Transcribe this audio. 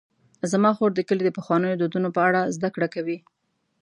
زما خور د کلي د پخوانیو دودونو په اړه زدهکړه کوي.